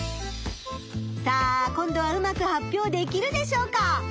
さあ今度はうまく発表できるでしょうか。